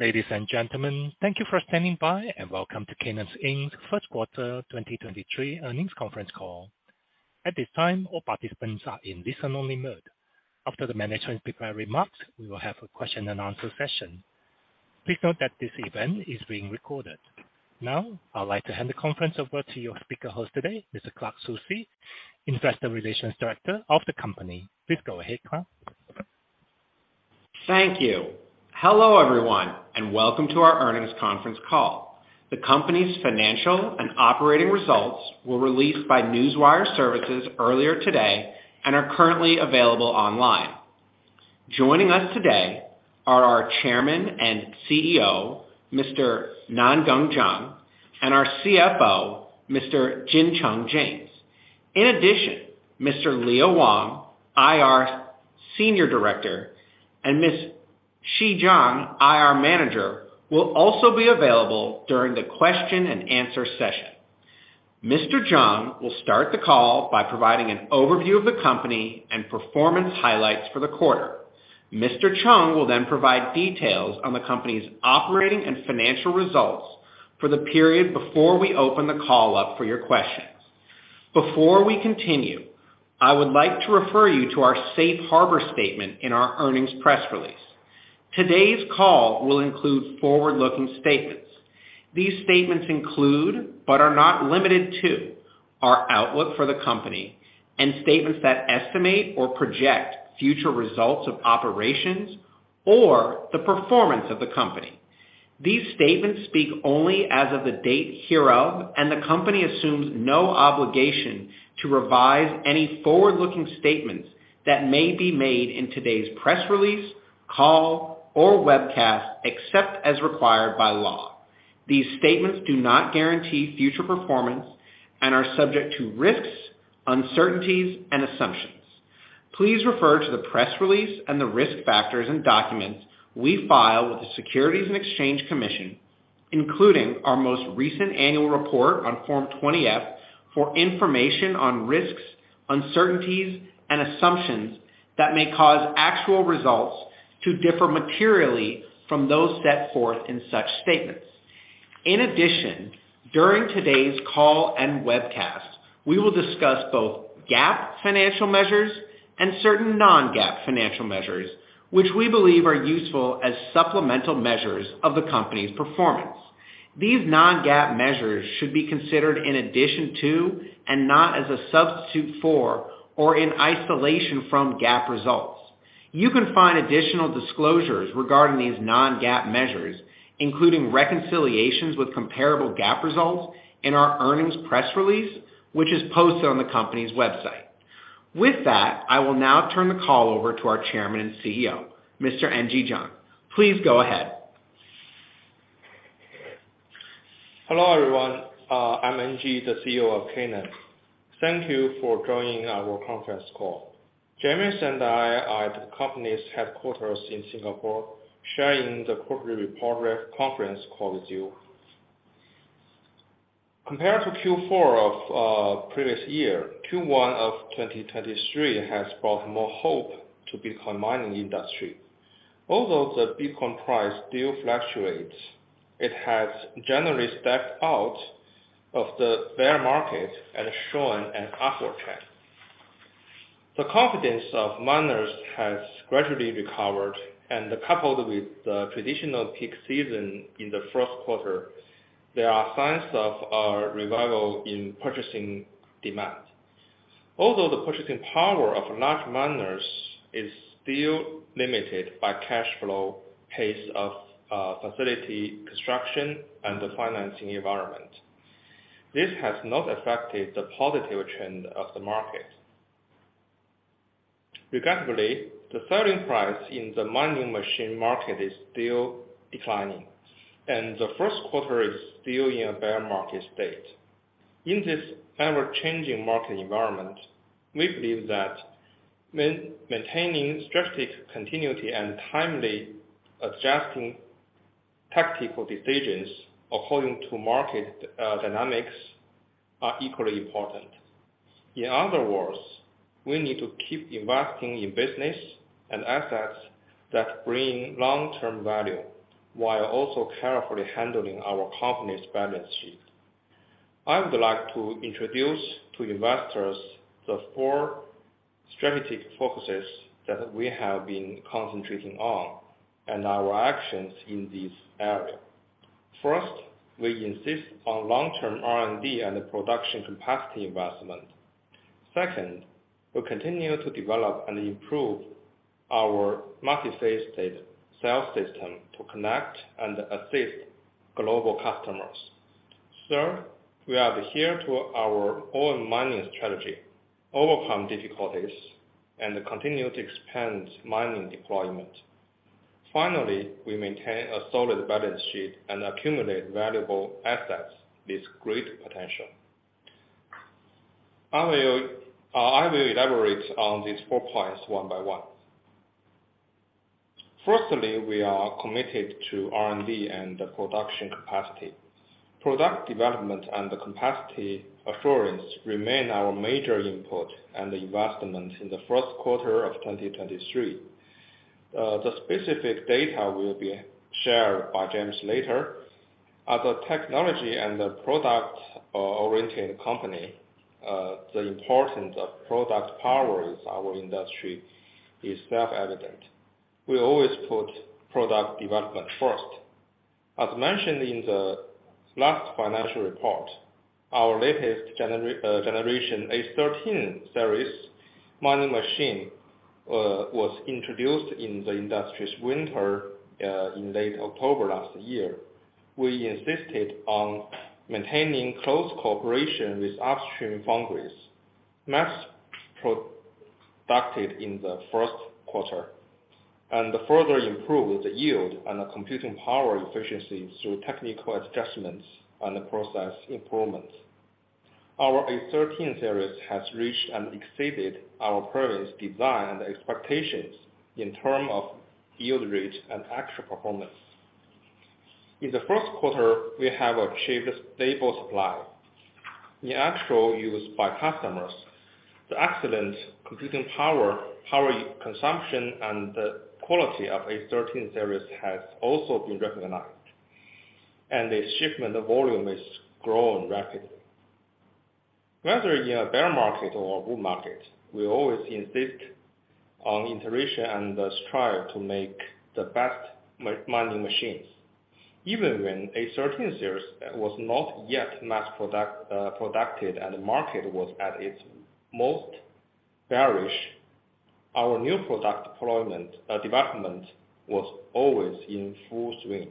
Ladies and gentlemen, thank you for standing by. Welcome to Canaan Inc.'s first quarter 2023 earnings conference call. At this time, all participants are in listen-only mode. After the management prepared remarks, we will have a question-and-answer session. Please note that this event is being recorded. I'd like to hand the conference over to your speaker host today, Mr. Clark Soucy, Investor Relations Director of the company. Please go ahead, Clark. Thank you. Hello, everyone, welcome to our earnings conference call. The company's financial and operating results were released by Newswire Services earlier today and are currently available online. Joining us today are our Chairman and CEO, Mr. Nangeng Zhang, and our CFO, Mr. Jin Cheng James. In addition, Mr. Leo Wang, IR Senior Director, and Ms. Xi Zhang, IR Manager, will also be available during the question-and-answer session. Mr. Jiang will start the call by providing an overview of the company and performance highlights for the quarter. Mr. Cheng will provide details on the company's operating and financial results for the period before we open the call up for your questions. Before we continue, I would like to refer you to our safe harbor statement in our earnings press release. Today's call will include forward-looking statements. These statements include, but are not limited to, our outlook for the company and statements that estimate or project future results of operations or the performance of the company. These statements speak only as of the date hereof. The company assumes no obligation to revise any forward-looking statements that may be made in today's press release, call, or webcast, except as required by law. These statements do not guarantee future performance and are subject to risks, uncertainties and assumptions. Please refer to the press release and the risk factors and documents we file with the Securities and Exchange Commission, including our most recent annual report on Form 20-F, for information on risks, uncertainties, and assumptions that may cause actual results to differ materially from those set forth in such statements. In addition, during today's call and webcast, we will discuss both GAAP financial measures and certain non-GAAP financial measures, which we believe are useful as supplemental measures of the company's performance. These non-GAAP measures should be considered in addition to, and not as a substitute for or in isolation from GAAP results. You can find additional disclosures regarding these non-GAAP measures, including reconciliations with comparable GAAP results in our earnings press release, which is posted on the company's website. With that, I will now turn the call over to our Chairman and CEO, Mr. Nangeng Jiang. Please go ahead. Hello, everyone. I'm Nangeng, the CEO of Canaan. Thank you for joining our conference call. James and I are at the company's headquarters in Singapore, sharing the quarterly report conference call with you. Compared to Q4 of previous year, Q1 of 2023 has brought more hope to Bitcoin mining industry. The Bitcoin price still fluctuates, it has generally stepped out of the bear market and shown an upward trend. The confidence of miners has gradually recovered, coupled with the traditional peak season in the first quarter, there are signs of a revival in purchasing demand. The purchasing power of large miners is still limited by cash flow, pace of facility, construction, and the financing environment, this has not affected the positive trend of the market. Regardless, the selling price in the mining machine market is still declining, and the first quarter is still in a bear market state. In this ever-changing market environment, we believe that maintaining strategic continuity and timely adjusting tactical decisions according to market dynamics, are equally important. In other words, we need to keep investing in business and assets that bring long-term value, while also carefully handling our company's balance sheet. I would like to introduce to investors the four strategic focuses that we have been concentrating on, and our actions in this area. First, we insist on long-term R&D and production capacity investment. Second, we continue to develop and improve our market-faced sales system to connect and assist global customers. Third, we adhere to our own mining strategy, overcome difficulties, and continue to expand mining deployment. Finally, we maintain a solid balance sheet and accumulate valuable assets with great potential. I will elaborate on these four points one by one. Firstly, we are committed to R&D and the production capacity. Product development and the capacity assurance remain our major input and investment in the first quarter of 2023. The specific data will be shared by James later. As a technology and a product-oriented company, the importance of product power in our industry is self-evident. We always put product development first. As mentioned in the last financial report, our latest generation A13 series mining machine was introduced in the industry's winter in late October last year. We insisted on maintaining close cooperation with upstream foundries. Mass-produced in the first quarter and further improved the yield and the computing power efficiency through technical adjustments and process improvements. Our A13 series has reached and exceeded our previous design and expectations in term of yield rate and actual performance. In the first quarter, we have achieved a stable supply. In actual use by customers, the excellent computing power consumption, and the quality of A13 series has also been recognized, and the shipment volume is growing rapidly. Whether in a bear market or a bull market, we always insist on iteration and strive to make the best mining machines. Even when A13 series was not yet mass producted, and the market was at its most bearish, our new product deployment development was always in full swing.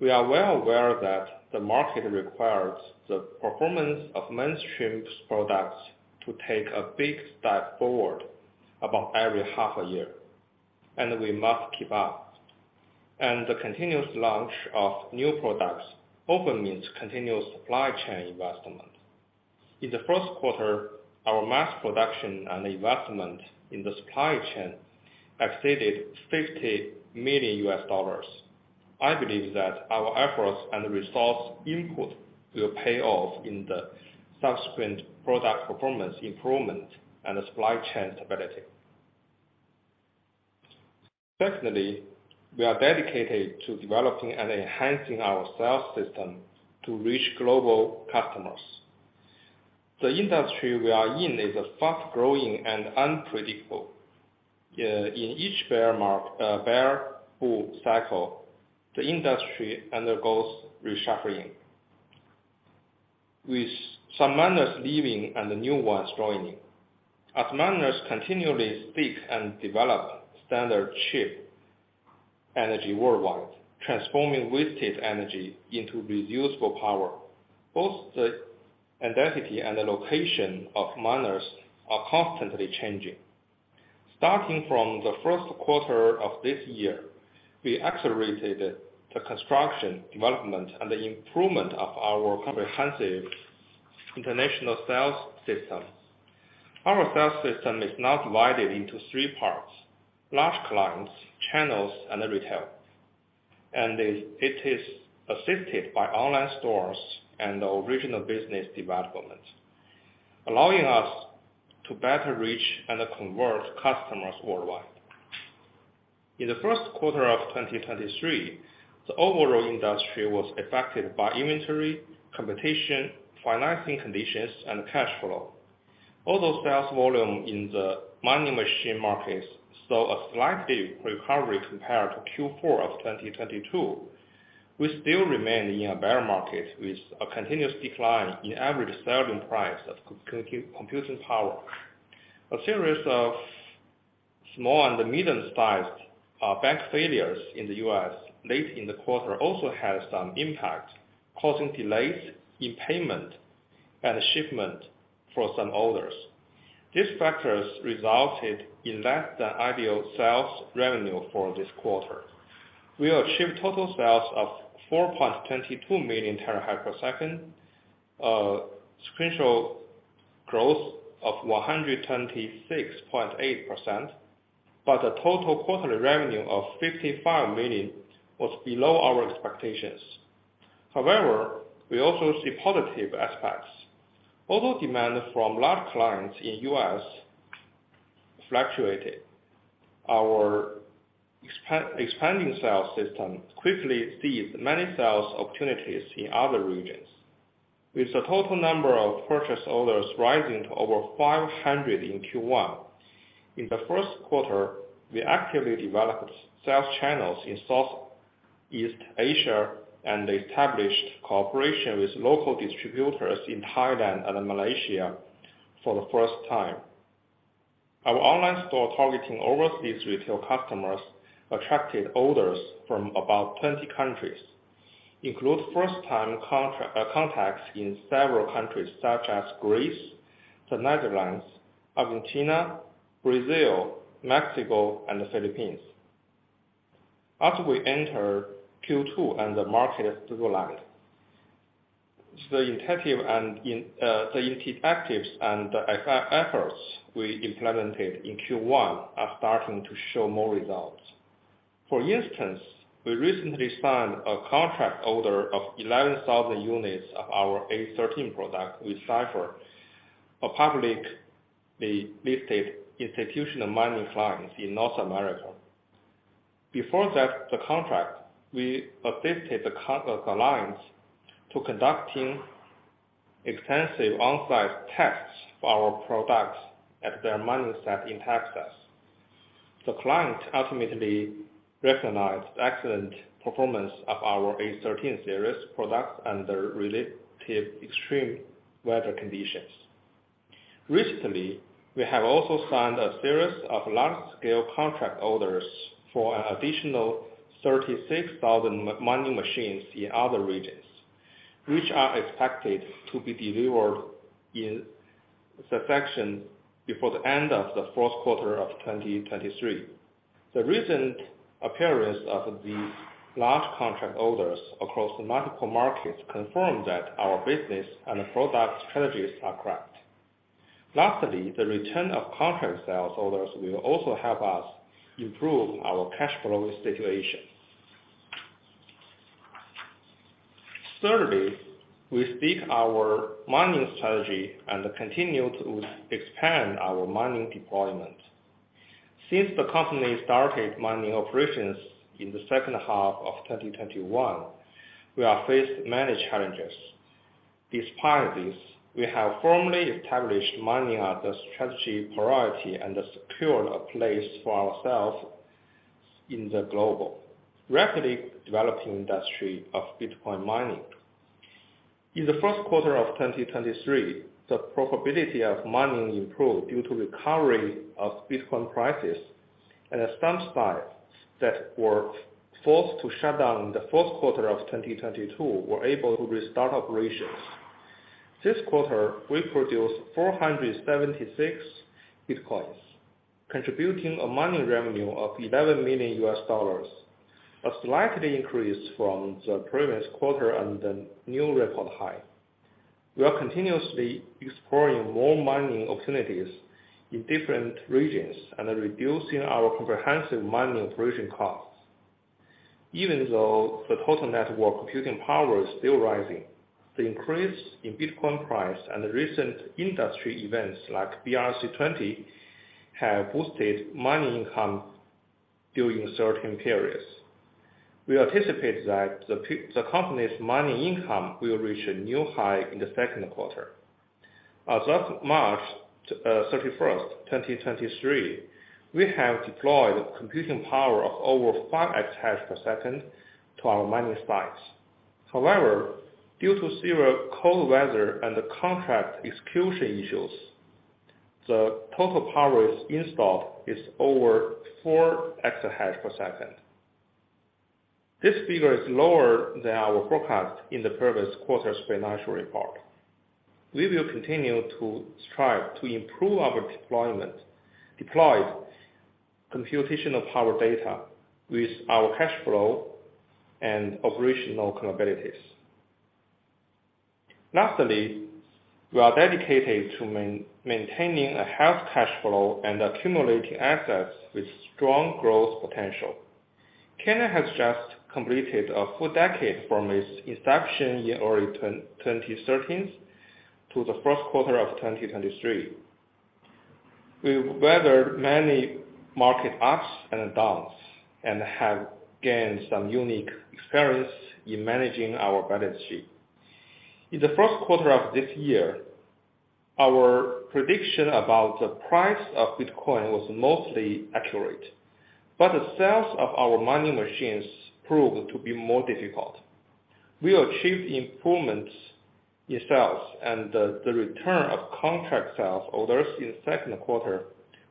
We are well aware that the market requires the performance of mainstream products to take a big step forward about every half a year, we must keep up. The continuous launch of new products often means continuous supply chain investment. In the first quarter, our mass production and investment in the supply chain exceeded $50 million. I believe that our efforts and resource input will pay off in the subsequent product performance improvement and supply chain stability. Secondly, we are dedicated to developing and enhancing our sales system to reach global customers. The industry we are in is a fast-growing and unpredictable. In each bear bull cycle, the industry undergoes reshuffling, with some miners leaving and the new ones joining. As miners continually seek and develop standard chip energy worldwide, transforming wasted energy into reusable power, both the identity and the location of miners are constantly changing. Starting from the first quarter of this year, we accelerated the construction, development, and the improvement of our comprehensive international sales system. Our sales system is now divided into three parts: large clients, channels, and the retail. It is assisted by online stores and original business development, allowing us to better reach and convert customers worldwide. In the first quarter of 2023, the overall industry was affected by inventory, competition, financing conditions, and cash flow. Although sales volume in the mining machine markets saw a slight recovery compared to Q4 of 2022, we still remain in a bear market with a continuous decline in average selling price of computing power. A series of small and medium-sized bank failures in the U.S. late in the quarter also had some impact, causing delays in payment and shipment for some orders. These factors resulted in less-than-ideal sales revenue for this quarter. We achieved total sales of 4.22 million terahashes per second, sequential growth of 126.8%, but a total quarterly revenue of $55 million was below our expectations. However, we also see positive aspects. Although demand from large clients in U.S. fluctuated, our expanding sales system quickly seized many sales opportunities in other regions, with the total number of purchase orders rising to over 500 in Q1. In the first quarter, we actively developed sales channels in Southeast Asia and established cooperation with local distributors in Thailand and Malaysia for the first time. Our online store, targeting overseas retail customers, attracted orders from about 20 countries, include first-time contacts in several countries such as Greece, the Netherlands, Argentina, Brazil, Mexico, and the Philippines. As we enter Q2 and the market stabilized. The intensive and the interactives and the efforts we implemented in Q1 are starting to show more results. For instance, we recently signed a contract order of 11,000 units of our A13 product with Cipher, a publicly listed institutional mining client in North America. Before that, the contract, we assisted the clients to conducting extensive on-site tests of our products at their mining site in Texas. The client ultimately recognized the excellent performance of our A13 series products under relative extreme weather conditions. Recently, we have also signed a series of large-scale contract orders for an additional 36,000 mining machines in other regions, which are expected to be delivered in sections before the end of the 4th quarter of 2023. The recent appearance of these large contract orders across multiple markets confirm that our business and product strategies are correct. The return of contract sales orders will also help us improve our cash flow situation. We seek our mining strategy and continue to expand our mining deployment. Since the company started mining operations in the second half of 2021, we have faced many challenges. Despite this, we have firmly established mining as a strategy priority and secured a place for ourselves in the global, rapidly developing industry of Bitcoin mining. In the first quarter of 2023, the profitability of mining improved due to recovery of Bitcoin prices. Some sites that were forced to shut down in the fourth quarter of 2022 were able to restart operations. This quarter, we produced 476 Bitcoins, contributing a mining revenue of $11 million, a slightly increase from the previous quarter and a new record high. We are continuously exploring more mining opportunities in different regions and reducing our comprehensive mining operation costs. Even though the total network computing power is still rising, the increase in Bitcoin price and recent industry events like BRC-20 have boosted mining income during certain periods. We anticipate that the company's mining income will reach a new high in the second quarter. As of March 31st, 2023, we have deployed computing power of over 5 exahash per second to our mining sites. Due to severe cold weather and the contract execution issues, the total power installed is over 4 exahash per second. This figure is lower than our forecast in the previous quarter's financial report. We will continue to strive to improve our deployed computational power data with our cash flow and operational capabilities. Lastly, we are dedicated to maintaining a healthy cash flow and accumulating assets with strong growth potential. Canaan has just completed a full decade from its inception in early 2013 to the first quarter of 2023. We've weathered many market ups and downs, have gained some unique experience in managing our balance sheet. In the first quarter of this year, our prediction about the price of Bitcoin was mostly accurate, but the sales of our mining machines proved to be more difficult. We achieved improvements in sales and the return of contract sales orders in the second quarter,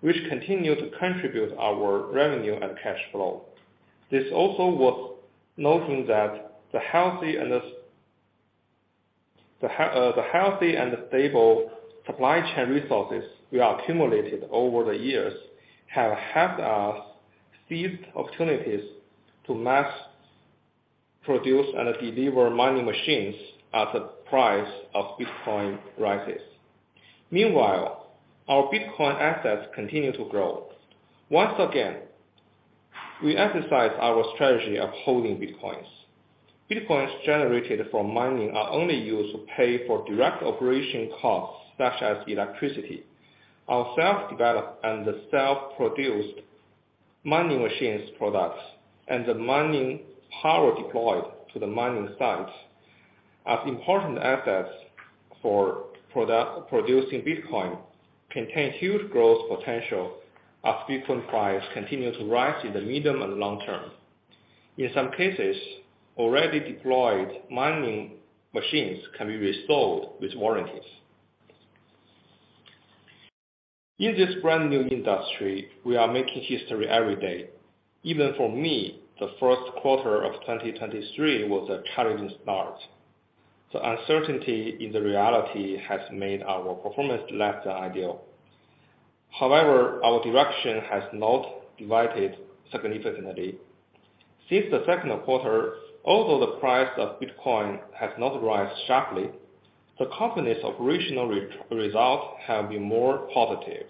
which continue to contribute our revenue and cash flow. This also worth noting that the healthy and stable supply chain resources we accumulated over the years have helped us seize opportunities to mass produce and deliver mining machines as the price of Bitcoin rises. Meanwhile, our Bitcoin assets continue to grow. Once again, we exercise our strategy of holding Bitcoins. Bitcoins generated from mining are only used to pay for direct operation costs, such as electricity. Our self-developed and the self-produced mining machines products and the mining power deployed to the mining sites, as important assets for producing Bitcoin, contain huge growth potential as Bitcoin price continue to rise in the medium and long term. In some cases, already deployed mining machines can be resold with warranties. In this brand-new industry, we are making history every day. Even for me, the first quarter of 2023 was a challenging start. The uncertainty in the reality has made our performance less than ideal. Our direction has not divided significantly. Since the second quarter, although the price of Bitcoin has not risen sharply, the company's original results have been more positive,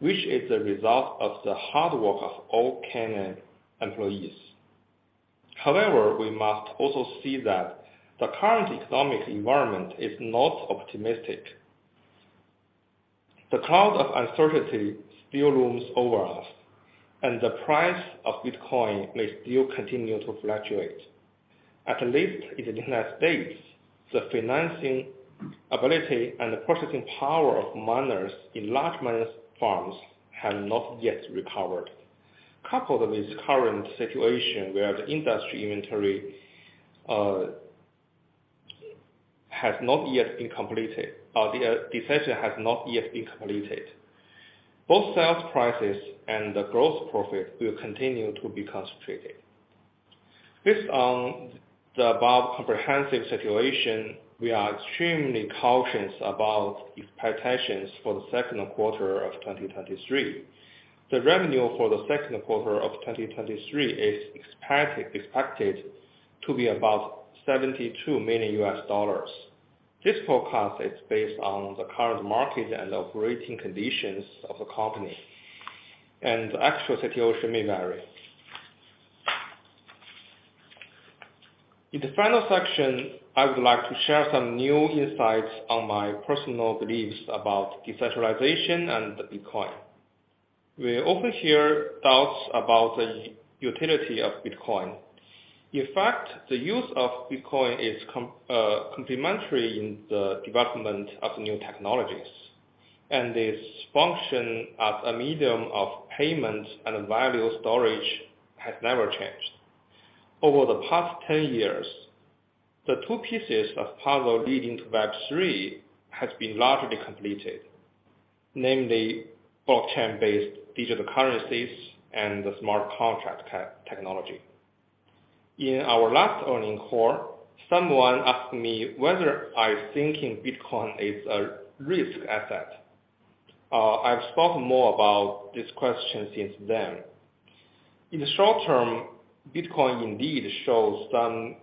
which is a result of the hard work of all Canaan employees. We must also see that the current economic environment is not optimistic. The cloud of uncertainty still looms over us, and the price of Bitcoin may still continue to fluctuate. At least in the United States, the financing ability and the processing power of miners in large miners farms have not yet recovered. Coupled with this current situation, where the industry inventory has not yet been completed, or the decision has not yet been completed, both sales prices and the growth profit will continue to be concentrated. Based on the above comprehensive situation, we are extremely cautious about expectations for the second quarter of 2023. The revenue for the second quarter of 2023 is expected to be about $72 million. This forecast is based on the current market and operating conditions of the company, and the actual situation may vary. In the final section, I would like to share some new insights on my personal beliefs about decentralization and Bitcoin. We often hear doubts about the utility of Bitcoin. In fact, the use of Bitcoin is complementary in the development of new technologies, and its function as a medium of payment and value storage has never changed. Over the past 10 years, the two pieces of puzzle leading to Web3 has been largely completed, namely, blockchain-based digital currencies and the smart contract technology. In our last earning call, someone asked me whether I think Bitcoin is a risk asset. I've spoken more about this question since then. In the short term, Bitcoin indeed shows some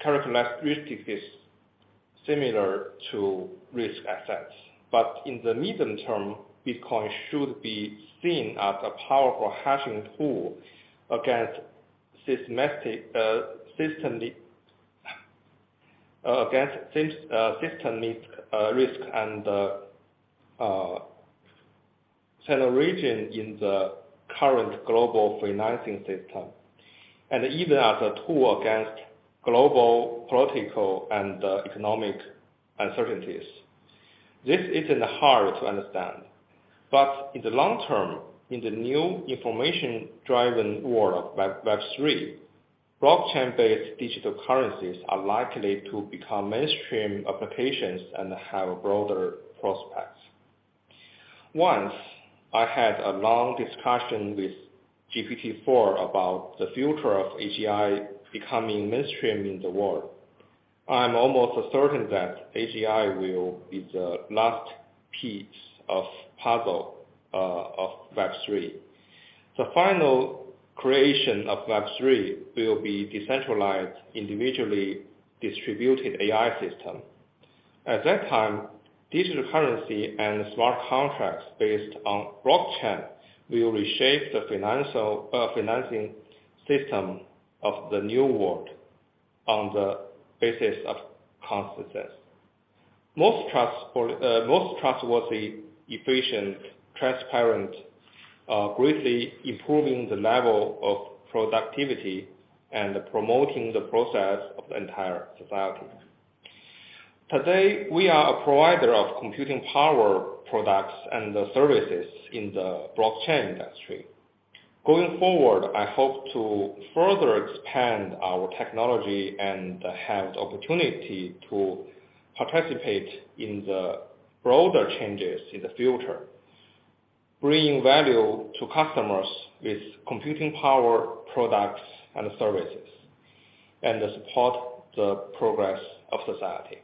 characteristics similar to risk assets. In the medium term, Bitcoin should be seen as a powerful hashing tool against systemic risk and generation in the current global financing system, and even as a tool against global political and economic uncertainties. This isn't hard to understand, but in the long term, in the new information-driven world of Web3, blockchain-based digital currencies are likely to become mainstream applications and have broader prospects. Once, I had a long discussion with GPT-4 about the future of AGI becoming mainstream in the world. I'm almost certain that AGI will be the last piece of puzzle of Web3. The final creation of Web3 will be decentralized, individually distributed AI system. At that time, digital currency and smart contracts based on blockchain will reshape the financial financing system of the new world on the basis of consensus. Most trustworthy, efficient, transparent, greatly improving the level of productivity and promoting the process of the entire society. Today, we are a provider of computing power products and the services in the blockchain industry. Going forward, I hope to further expand our technology and have the opportunity to participate in the broader changes in the future, bringing value to customers with computing power, products, and services, and to support the progress of society.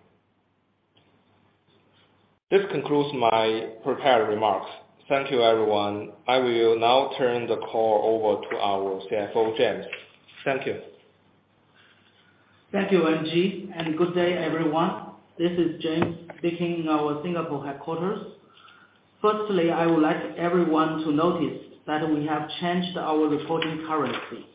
This concludes my prepared remarks. Thank you, everyone. I will now turn the call over to our CFO, James. Thank you. Thank you, Nangeng, and good day, everyone. This is James, speaking in our Singapore headquarters. Firstly, I would like everyone to notice that we have changed our reporting currency.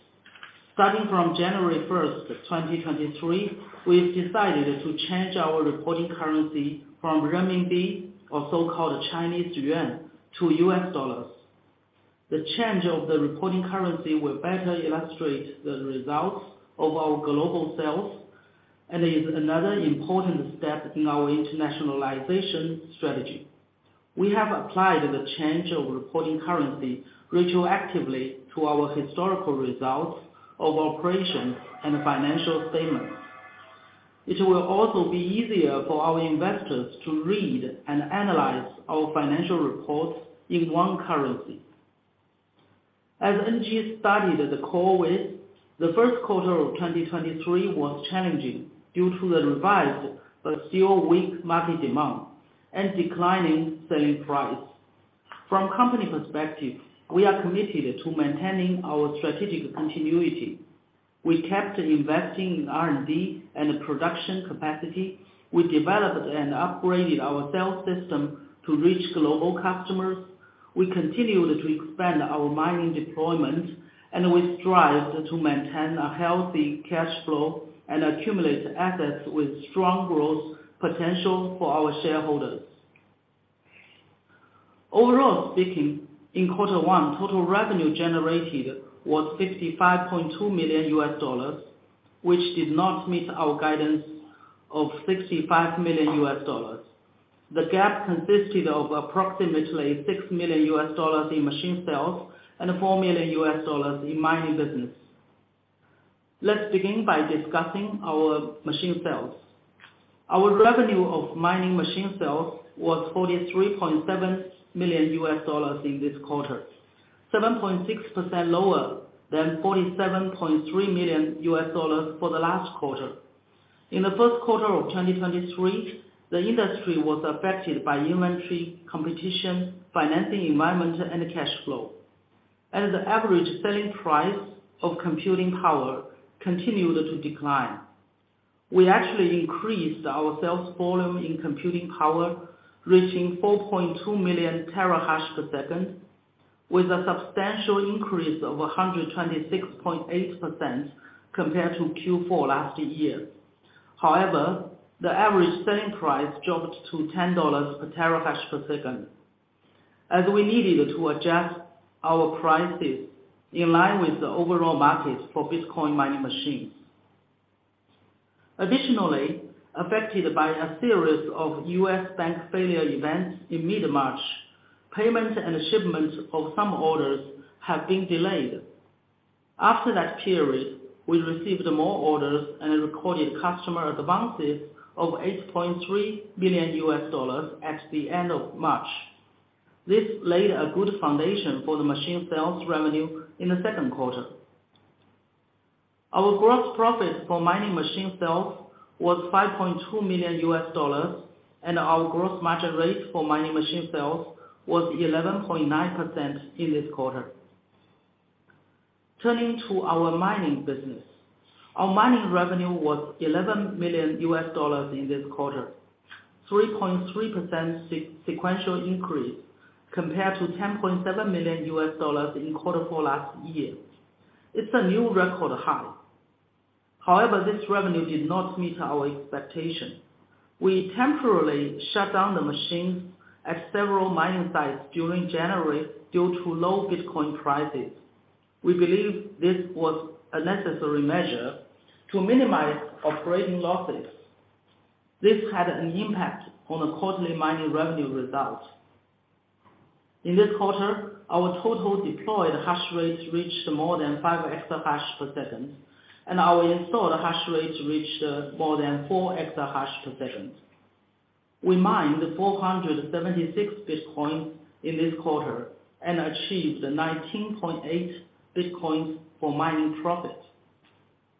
Starting from January first, 2023, we've decided to change our reporting currency from renminbi, or so-called Chinese Yuan, to U.S. dollars. The change of the reporting currency will better illustrate the results of our global sales and is another important step in our internationalization strategy. We have applied the change of reporting currency retroactively to our historical results of operations and financial statements. It will also be easier for our investors to read and analyze our financial reports in one currency. As Nangeng started the call with, the first quarter of 2023 was challenging due to the revised, but still weak market demand and declining selling price. From company perspective, we are committed to maintaining our strategic continuity. We kept investing in R&D and production capacity. We developed and upgraded our sales system to reach global customers. We continued to expand our mining deployment, and we strived to maintain a healthy cash flow and accumulate assets with strong growth potential for our shareholders. Overall speaking, in quarter one, total revenue generated was $65.2 million, which did not meet our guidance of $65 million. The gap consisted of approximately $6 million in machine sales and $4 million in mining business. Let's begin by discussing our machine sales. Our revenue of mining machine sales was $43.7 million in this quarter, 7.6% lower than $47.3 million for the last quarter. In the first quarter of 2023, the industry was affected by inventory, competition, financing, environment, and cash flow. As the average selling price of computing power continued to decline, we actually increased our sales volume in computing power, reaching 4.2 million terahash per second, with a substantial increase of 126.8% compared to Q4 last year. The average selling price dropped to $10 per terahash per second, as we needed to adjust our prices in line with the overall market for Bitcoin mining machines. Affected by a series of U.S. bank failure events in mid-March, payment and shipment of some orders have been delayed. After that period, we received more orders and recorded customer advances of $8.3 million at the end of March. This laid a good foundation for the machine sales revenue in the second quarter. Our gross profit for mining machine sales was $5.2 million, and our gross margin rate for mining machine sales was 11.9% in this quarter. Turning to our mining business. Our mining revenue was $11 million in this quarter; 3.3% sequential increase compared to $10.7 million in Q4 last year. It's a new record high. However, this revenue did not meet our expectation. We temporarily shut down the machines at several mining sites during January due to low Bitcoin prices. We believe this was a necessary measure to minimize operating losses. This had an impact on the quarterly mining revenue results. In this quarter, our total deployed hash rates reached more than 5 exahash per second, and our installed hash rates reached more than 4 exahash per second. We mined 476 Bitcoin in this quarter and achieved 19.8 Bitcoin for mining profit.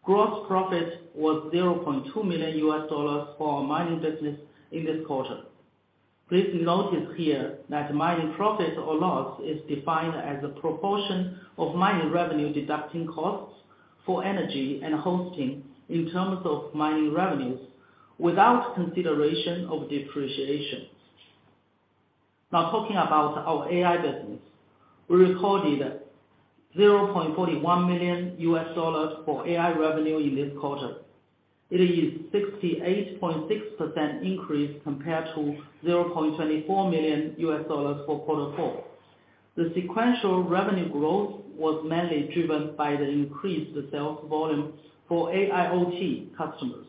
Gross profit was $0.2 million for our mining business in this quarter. Please notice here that mining profit or loss is defined as a proportion of mining revenue, deducting costs for energy and hosting in terms of mining revenues without consideration of depreciation. Now, talking about our AI business. We recorded $0.41 million for AI revenue in this quarter. It is 68.6% increase compared to $0.24 million for quarter four. The sequential revenue growth was mainly driven by the increased sales volume for AIoT customers.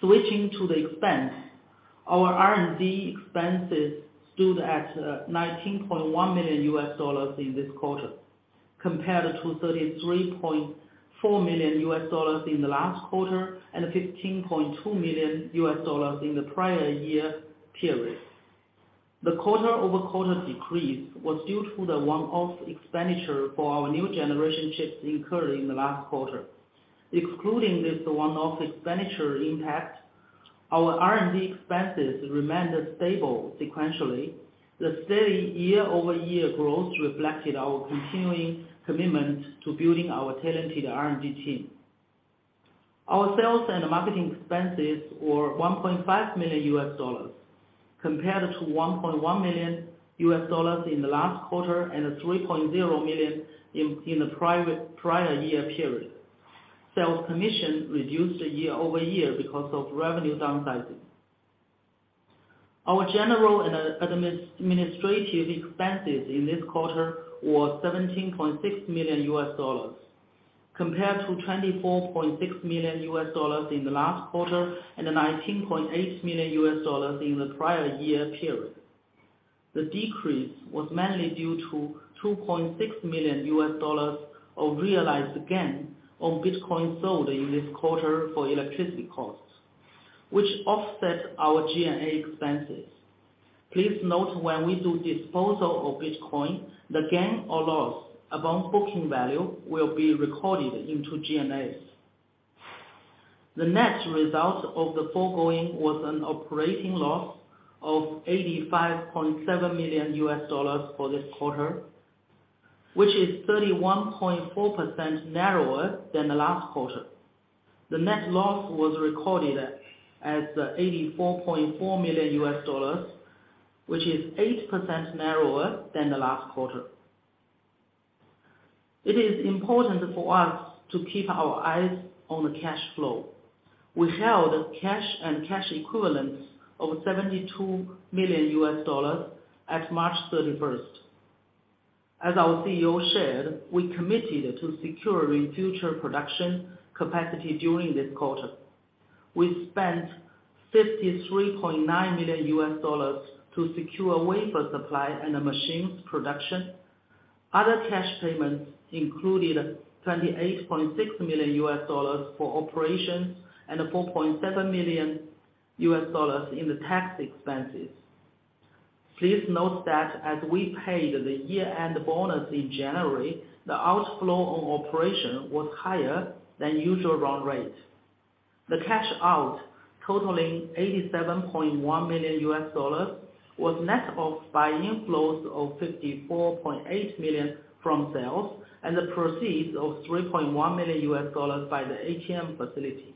Switching to the expense, our R&D expenses stood at $19.1 million in this quarter, compared to $33.4 million in the last quarter, and $15.2 million in the prior year period. The quarter-over-quarter decrease was due to the one-off expenditure for our new generation chips incurred in the last quarter. Excluding this one-off expenditure impact, our R&D expenses remained stable sequentially. The steady year-over-year growth reflected our continuing commitment to building our talented R&D team. Our sales and marketing expenses were $1.5 million, compared to $1.1 million in the last quarter, and $3.0 million in the prior year period. Sales commission reduced year-over-year because of revenue downsizing. Our general and administrative expenses in this quarter was $17.6 million, compared to $24.6 million in the last quarter, and $19.8 million in the prior year period. The decrease was mainly due to $2.6 million of realized gain on Bitcoin sold in this quarter for electricity costs. which offset our G&A expenses. Please note, when we do disposal of Bitcoin, the gain or loss above booking value will be recorded into G&A. The net result of the foregoing was an operating loss of $85.7 million for this quarter, which is 31.4% narrower than the last quarter. The net loss was recorded as $84.4 million, which is 8% narrower than the last quarter. It is important for us to keep our eyes on the cash flow. We held cash and cash equivalents of $72 million at March 31st. As our CEO shared, we committed to securing future production capacity during this quarter. We spent $53.9 million to secure wafer supply and the machines production. Other cash payments included $28.6 million for operations and $4.7 million in the tax expenses. Please note that as we paid the year-end bonus in January, the outflow on operation was higher than usual run rate. The cash out, totaling $87.1 million, was net off by inflows of $54.8 million from sales and the proceeds of $3.1 million by the ATM facility.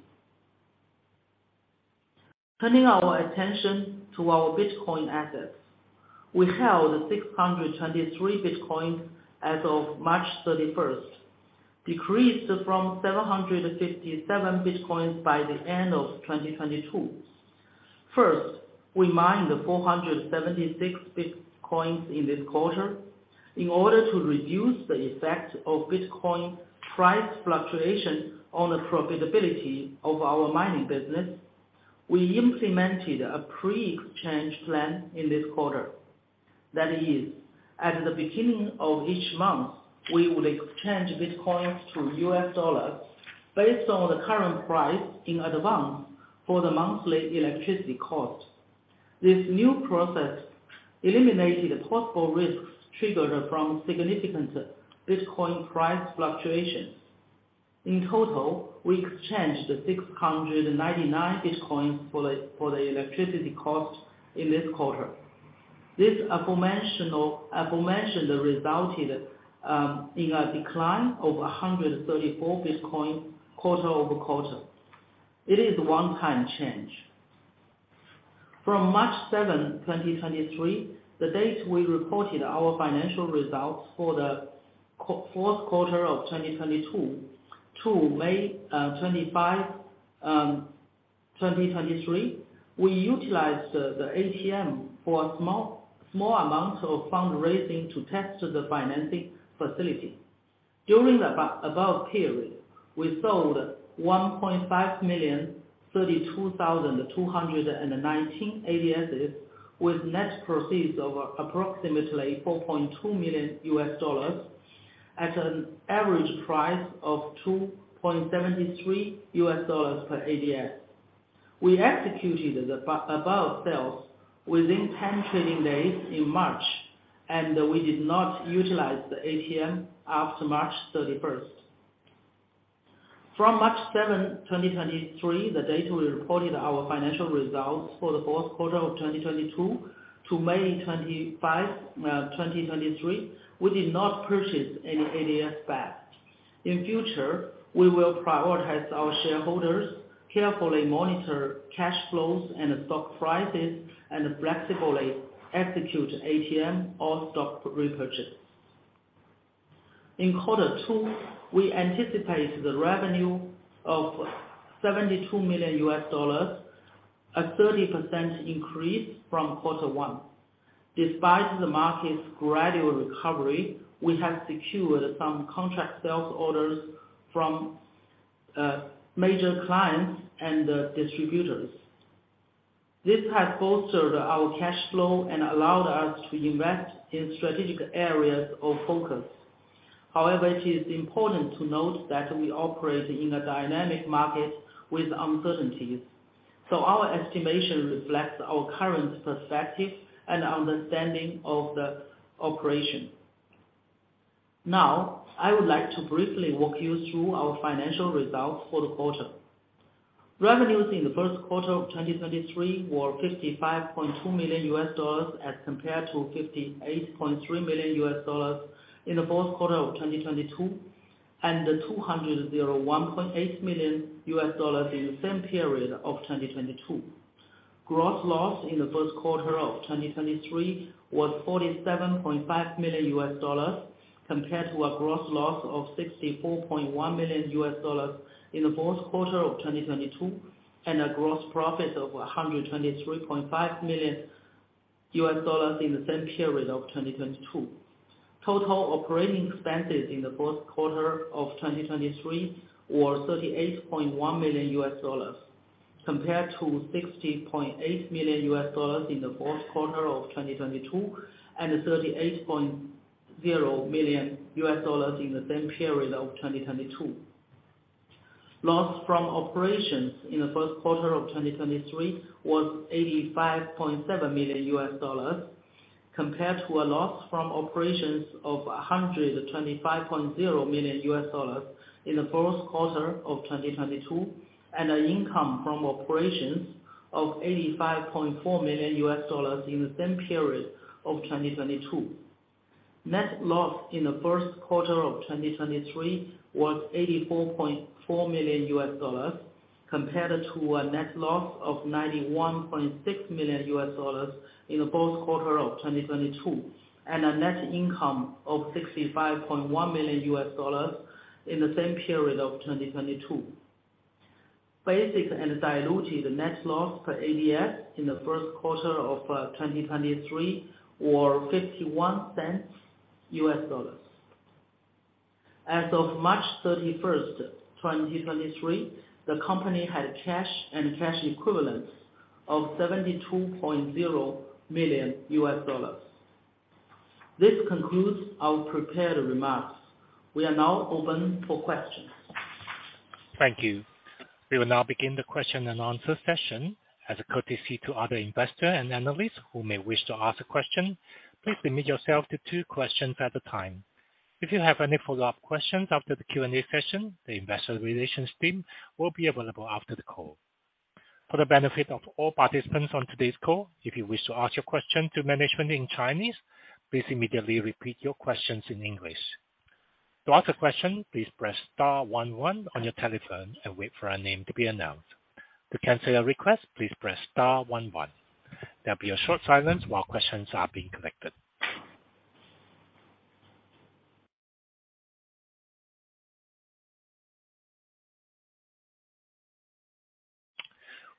Turning our attention to our Bitcoin assets, we held 623 Bitcoin as of March 31st, decreased from 757 Bitcoins by the end of 2022. First, we mined 476 Bitcoins in this quarter. In order to reduce the effect of Bitcoin price fluctuation on the profitability of our mining business, we implemented a 10b5-1 plan in this quarter. That is, at the beginning of each month, we would exchange Bitcoins to U.S. dollars based on the current price in advance for the monthly electricity cost. This new process eliminated possible risks triggered from significant Bitcoin price fluctuations. In total, we exchanged 699 Bitcoins for the electricity cost in this quarter. This aforementioned resulted in a decline of 134 Bitcoin quarter-over-quarter. It is one-time change. From March 7, 2023, the date we reported our financial results for the fourth quarter of 2022 to May 25, 2023, we utilized the ATM for a small amount of fundraising to test the financing facility. During the above period, we sold 1,532,219 ADSs, with net proceeds of approximately $4.2 million at an average price of $2.73 per ADS. We executed the above sales within 10 trading days in March. We did not utilize the ATM after March 31. From March 7, 2023, the date we reported our financial results for the fourth quarter of 2022 to May 25, 2023, we did not purchase any ADS back. In future, we will prioritize our shareholders, carefully monitor cash flows and stock prices, and flexibly execute ATM or stock repurchase. In quarter two, we anticipate the revenue of $72 million, a 30% increase from quarter one. Despite the market's gradual recovery, we have secured some contract sales orders from major clients and distributors. This has bolstered our cash flow and allowed us to invest in strategic areas of focus. However, it is important to note that we operate in a dynamic market with uncertainties, so our estimation reflects our current perspective and understanding of the operation. Now, I would like to briefly walk you through our financial results for the quarter. Revenues in the first quarter of 2023 were $55.2 million, as compared to $58.3 million in the fourth quarter of 2022, and $201.8 million in the same period of 2022. Gross loss in the first quarter of 2023 was $47.5 million, compared to a gross loss of $64.1 million in the fourth quarter of 2022, and a gross profit of $123.5 million in the same period of 2022. Total operating expenses in the fourth quarter of 2023 were $38.1 million, compared to $60.8 million in the fourth quarter of 2022. $0 million in the same period of 2022. Loss from operations in the first quarter of 2023 was $85.7 million, compared to a loss from operations of $125.0 million in the first quarter of 2022, and an income from operations of $85.4 million in the same period of 2022. Net loss in the first quarter of 2023 was $84.4 million, compared to a net loss of $91.6 million in the first quarter of 2022, and a net income of $65.1 million in the same period of 2022. Basic and diluted net loss per ADS in the first quarter of 2023 were $0.51. As of March 31st, 2023, the company had cash and cash equivalents of $72.0 million. This concludes our prepared remarks. We are now open for questions. Thank you. We will now begin the question and answer session. As a courtesy to other investors and analysts who may wish to ask a question, please limit yourself to two questions at a time. If you have any follow-up questions after the Q&A session, the investor relations team will be available after the call. For the benefit of all participants on today's call, if you wish to ask your question to management in Chinese, please immediately repeat your questions in English. To ask a question, please press star one one on your telephone and wait for your name to be announced. To cancel your request, please press star one one. There'll be a short silence while questions are being collected.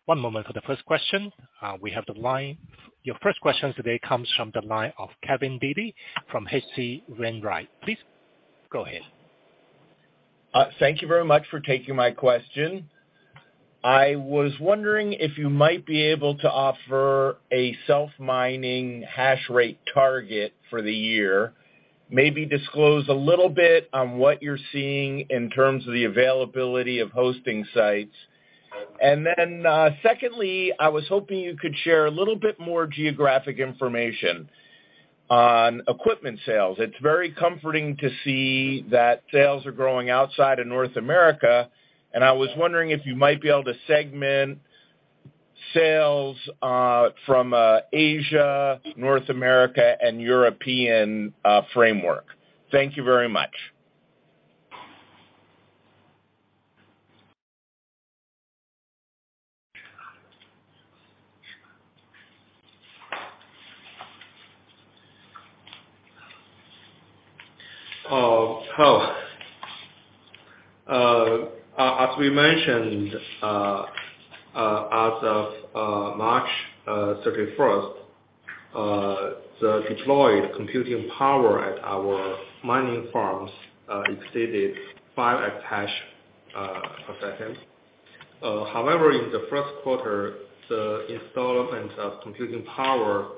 One moment for the first question. We have the line. Your first question today comes from the line of Kevin Dede from H.C. Wainwright. Please go ahead. Thank you very much for taking my question. I was wondering if you might be able to offer a self-mining hash rate target for the year, maybe disclose a little bit on what you're seeing in terms of the availability of hosting sites. Secondly, I was hoping you could share a little bit more geographic information on equipment sales. It's very comforting to see that sales are growing outside of North America. I was wondering if you might be able to segment sales from Asia, North America and European framework. Thank you very much. Hello. As we mentioned, as of March 31st, the deployed computing power at our mining farms exceeded 5 hash per second. However, in the first quarter, the installment of computing power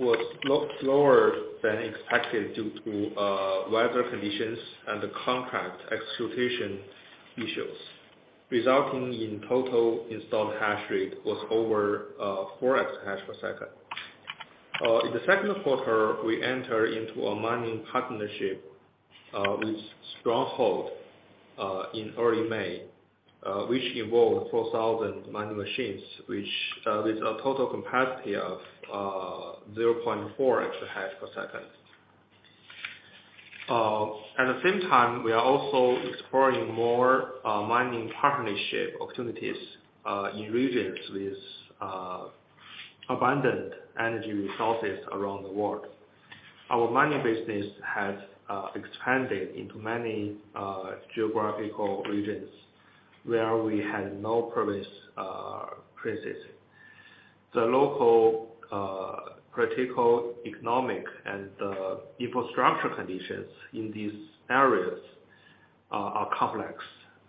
was lower than expected due to weather conditions and the contract execution issues, resulting in total installed hash rate was over 4 exahash per second. In the second quarter, we entered into a mining partnership with Stronghold in early May, which involved 4,000 mining machines, with a total capacity of 0.4 exahash per second. At the same time, we are also exploring more mining partnership opportunities in regions with abundant energy resources around the world. Our mining business has expanded into many geographical regions where we had no previous presence. The local political, economic, and infrastructure conditions in these areas are complex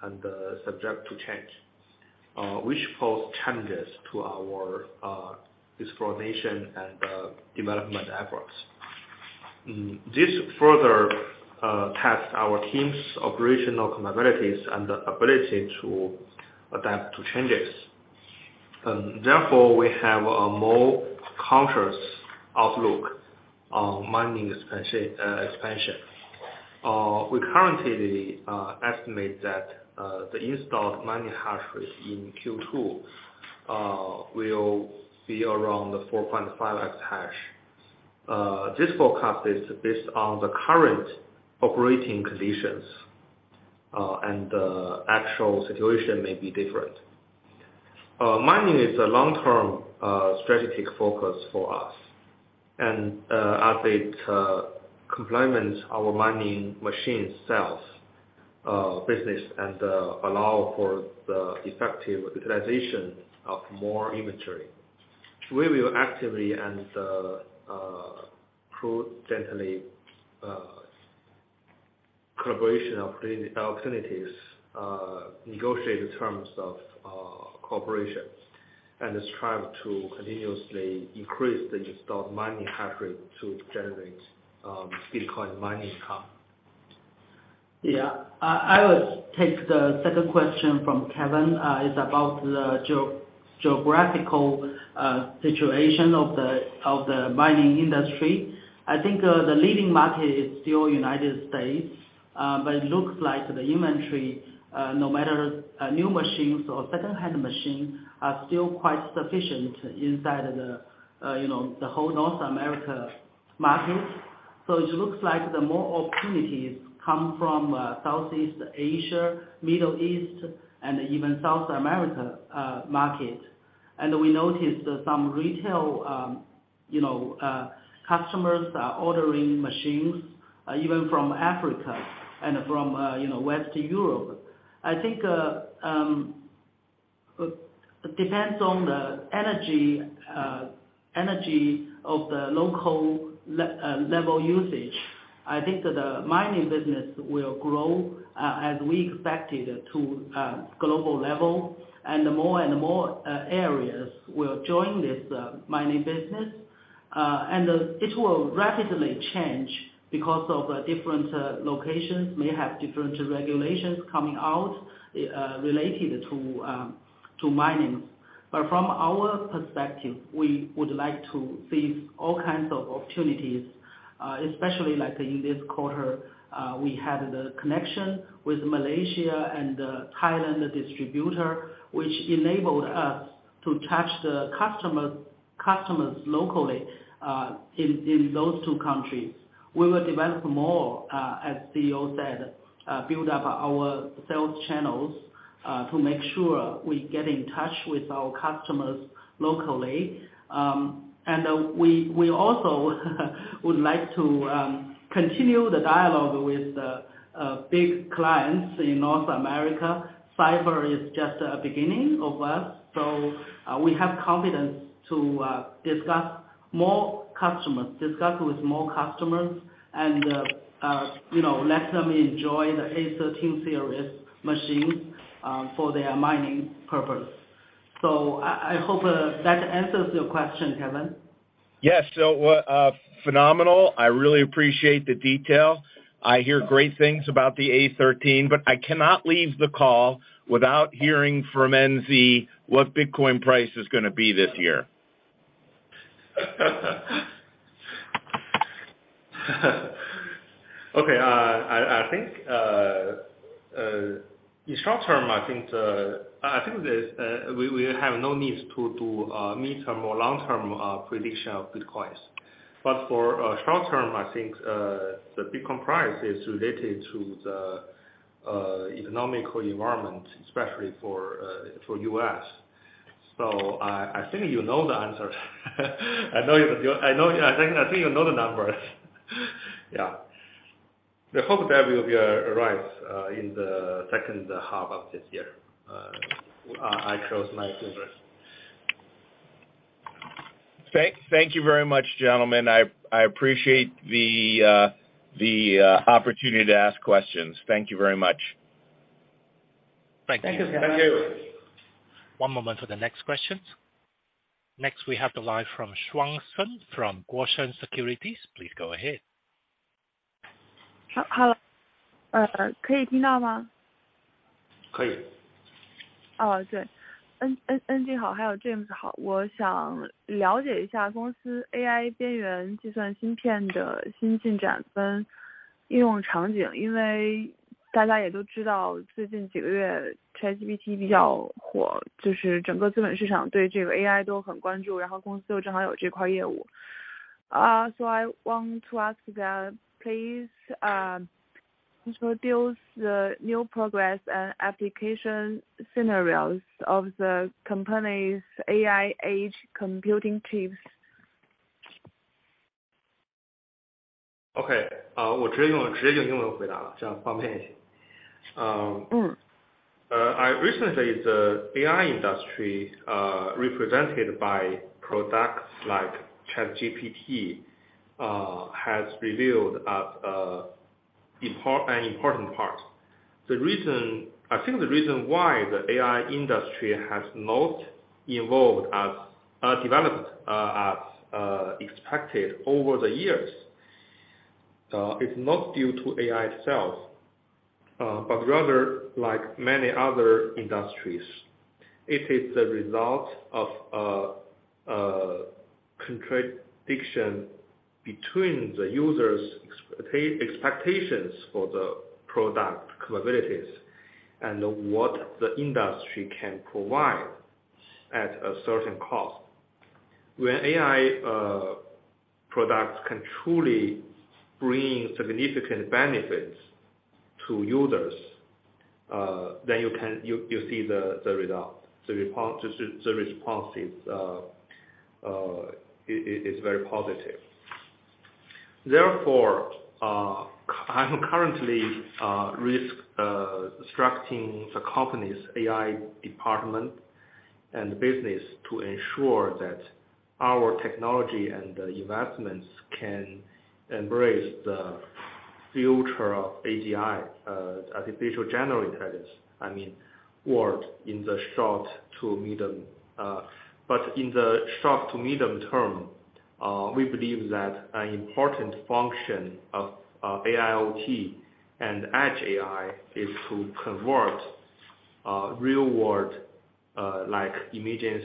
and subject to change, which pose challenges to our exploration and development efforts. This further test our team's operational capabilities and the ability to adapt to changes. Therefore, we have a more cautious outlook on mining expansion. We currently estimate that the installed mining hash rate in Q2 will be around the 4.5 exahash. This forecast is based on the current operating conditions and the actual situation may be different. Mining is a long-term strategic focus for us. As it complements our mining machine sales business and allow for the effective utilization of more inventory. We will actively and prudently collaboration of opportunities, negotiate the terms of cooperation, and is trying to continuously increase the installed mining hash rate to generate Bitcoin mining income. Yeah. I will take the second question from Kevin. It's about the geographical situation of the mining industry. I think the leading market is still United States, but it looks like the inventory, no matter new machines or secondhand machines, are still quite sufficient inside the, you know, the whole North America market. It looks like the more opportunities come from Southeast Asia, Middle East, and even South America market. We noticed that some retail, you know, customers are ordering machines even from Africa and from, you know, West Europe. I think it depends on the energy of the local level usage. I think that the mining business will grow, as we expected to, global level, and more and more, areas will join this, mining business. It will rapidly change because of, different, locations may have different regulations coming out, related to mining. From our perspective, we would like to seize all kinds of opportunities, especially like in this quarter, we had the connection with Malaysia and, Thailand distributor, which enabled us to touch the customers locally, in those two countries. We will develop more, as CEO said, build up our sales channels, to make sure we get in touch with our customers locally. We also would like to continue the dialogue with the big clients in North America. Cipher is just a beginning of us. We have confidence to discuss more customers and, you know, let them enjoy the A13 series machines for their mining purpose. I hope that answers your question, Kevin. Yes. What, phenomenal! I really appreciate the detail. I hear great things about the A13, I cannot leave the call without hearing from Nangeng what Bitcoin price is gonna be this year. Okay, I think in short term, I think this we have no needs to do midterm or long-term prediction of Bitcoins. For short term, I think the Bitcoin price is related to the economical environment, especially for for U.S. I think you know the answer. I know you, I know, I think you know the numbers. Yeah. I hope that will be right in the second half of this year. I cross my fingers. Thank you very much, gentlemen. I appreciate the opportunity to ask questions. Thank you very much. Thank you. Thank you. One moment for the next questions. We have the line from Shuang Sun, from Guosheng Securities. Please go ahead. Hello. Oh, dear. Nangeng, good afternoon, and James, good afternoon. Please introduce the new progress and application scenarios of the company's AI age computing chips. Okay. Mm. I recently, the AI industry, represented by products like ChatGPT, has revealed as an important part. I think the reason why the AI industry has not evolved as developed as expected over the years is not due to AI itself, but rather, like many other industries, it is the result of a contradiction between the user's expectations for the product capabilities and what the industry can provide at a certain cost. When AI products can truly bring significant benefits to users, then you see the result, the responses, it is very positive. Therefore, I'm currently risk structuring the company's AI department. And business to ensure that our technology and the investments can embrace the future of AGI, Artificial General Intelligence, world in the short to medium. In the short to medium term, we believe that an important function of AIoT and Edge AI is to convert real world, like images,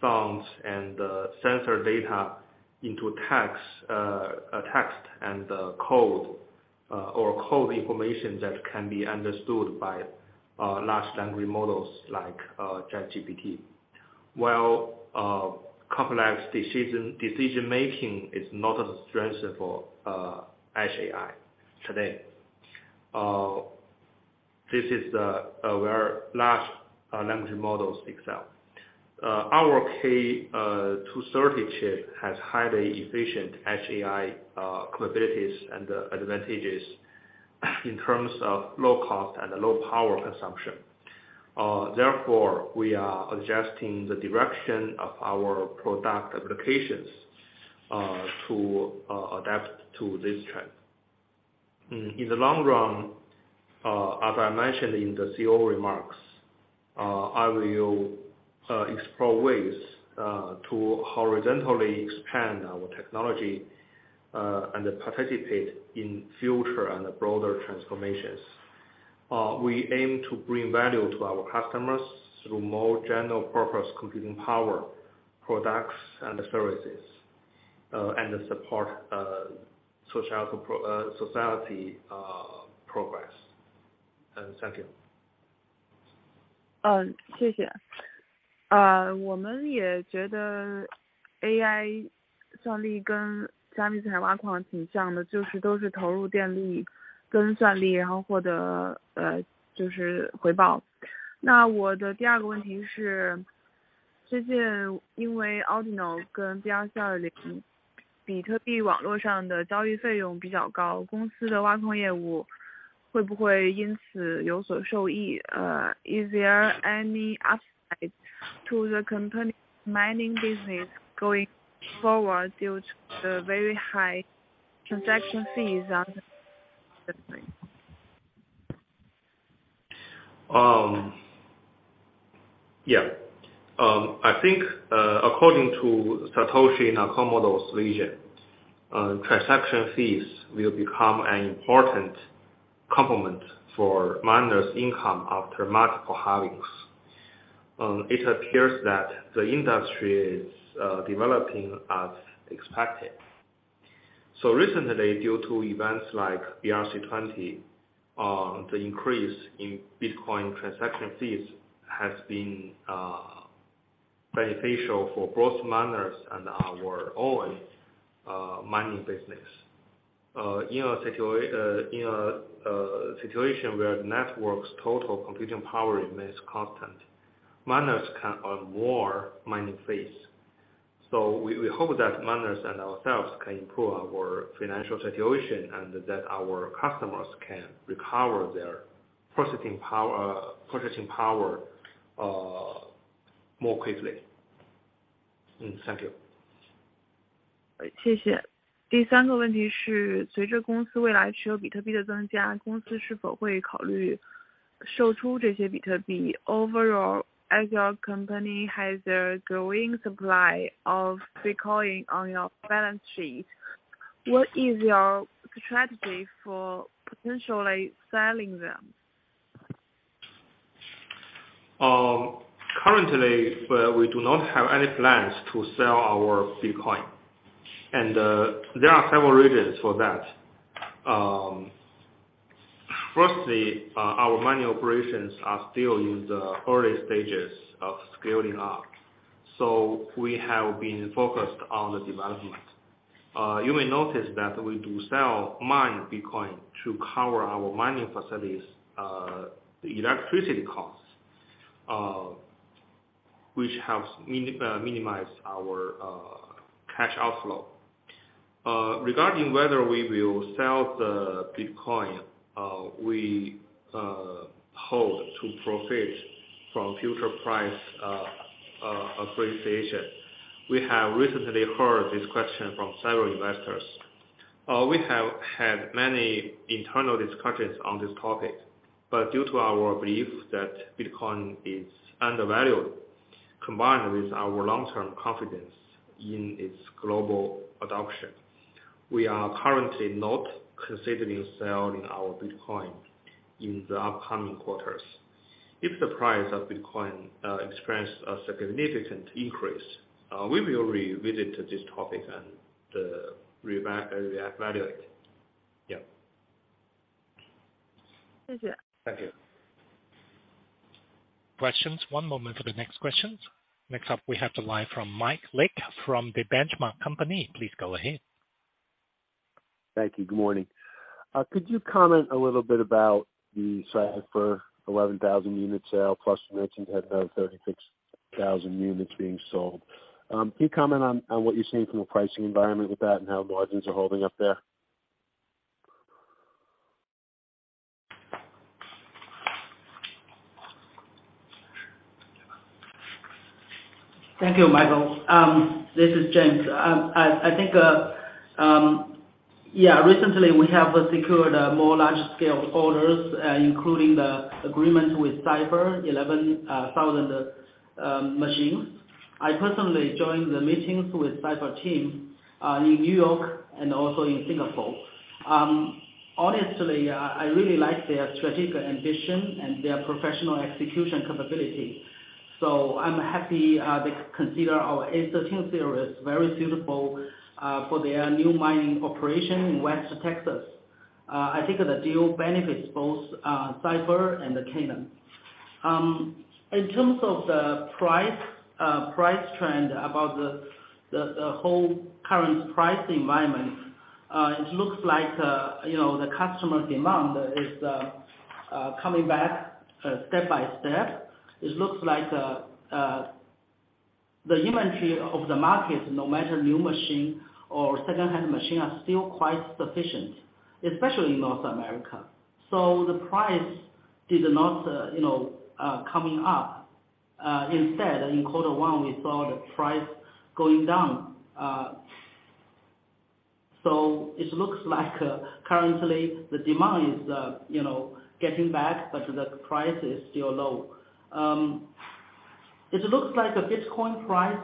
sounds, and sensor data into text, a text and code, or code information that can be understood by large language models like ChatGPT. While complex decision-making is not a strength for Edge AI today, this is the where large language models excel. Our K230 chip has highly efficient Edge AI capabilities and advantages in terms of low cost and low power consumption. Therefore, we are adjusting the direction of our product applications to adapt to this trend. In the long run, as I mentioned in the CEO remarks, I will explore ways to horizontally expand our technology and participate in future and broader transformations. We aim to bring value to our customers through more general-purpose computing power, products and services and support society progress. Thank you. 谢谢。我们也觉得 AI 算力跟加密钱挖矿挺像 的， 就是都是投入电力跟算 力， 然后获 得， 就是回报。那我的第二个问题 是， 最近因为 Ordinals 跟 BRC-20， 比特币网络上的交易费用比较 高， 公司的挖矿业务会不会因此有所受 益？ Is there any upside to the company mining business going forward due to the very high transaction fees on the thing? Yeah. I think, according to Satoshi Nakamoto's vision, transaction fees will become an important complement for miners' income after multiple halvings. It appears that the industry is developing as expected. Recently, due to events like BRC-20, the increase in Bitcoin transaction fees has been beneficial for both miners and our own, mining business. In a situation where the network's total computing power remains constant, miners can earn more mining fees. We, we hope that miners and ourselves can improve our financial situation, and that our customers can recover their processing power more quickly. Thank you. 谢谢。第三个问题 是， 随着公司未来持有 Bitcoin 的增 加， 公司是否会考虑售出这些 Bitcoin? Overall, as your company has a growing supply of Bitcoin on your balance sheet, what is your strategy for potentially selling them? Currently, we do not have any plans to sell our Bitcoin. There are several reasons for that. Firstly, our mining operations are still in the early stages of scaling up. We have been focused on the development. You may notice that we do sell mined Bitcoin to cover our mining facilities' electricity costs, which helps minimize our cash outflow. Regarding whether we will sell the Bitcoin, we hope to profit from future price appreciation. We have recently heard this question from several investors. We have had many internal discussions on this topic, but due to our belief that Bitcoin is undervalued, combined with our long-term confidence in its global adoption, we are currently not considering selling our Bitcoin in the upcoming quarters. If the price of Bitcoin experiences a significant increase, we will revisit this topic and reevaluate. Yeah. Thank you. Thank you. Questions? One moment for the next questions. Next up, we have the line from Mike Legg from The Benchmark Company. Please go ahead. Thank you. Good morning. Could you comment a little bit about the Cipher 11,000-unit sale, plus you mentioned had about 36,000 units being sold. Can you comment on what you're seeing from a pricing environment with that and how margins are holding up there? Thank you, Michael. This is James. I think recently we have secured a more large-scale orders, including the agreement with Cipher, 11,000 machines. I personally joined the meetings with Cipher team in New York and also in Singapore. Honestly, I really like their strategic ambition and their professional execution capability. I'm happy they consider our A13 series very suitable for their new mining operation in West Texas. I think the deal benefits both Cipher and the Canaan. In terms of the price trend about the whole current price environment, it looks like, you know, the customer demand is coming back step by step. It looks like the inventory of the market, no matter new machine or secondhand machine, are still quite sufficient, especially in North America. The price is not, you know, coming up. Instead, in quarter one, we saw the price going down. It looks like currently the demand is, you know, getting back, but the price is still low. It looks like the Bitcoin price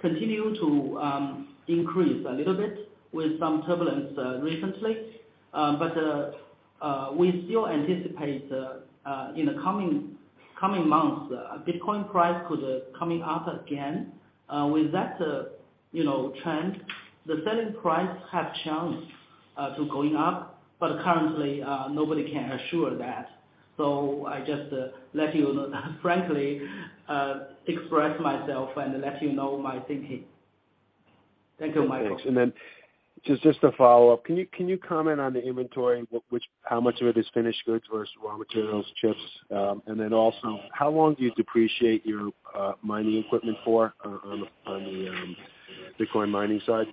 continue to increase a little bit with some turbulence recently. We still anticipate in the coming months, Bitcoin price could coming up again. With that, you know, trend, the selling price have a chance to going up, but currently, nobody can assure that. I just let you know, frankly, express myself and let you know my thinking. Thank you, Michael. Thanks. Just to follow up, can you comment on the inventory, which, how much of it is finished goods versus raw materials, chips? And then also, how long do you depreciate your mining equipment for on the Bitcoin mining side?